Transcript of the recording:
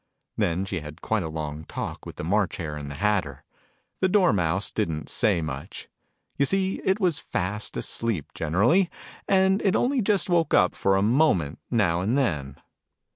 Then she had quite a long talk with the March Hare and the Hatter. The Dormouse didn't say much. You see it was fast asleep generally, and it only just woke up for a moment, now and then.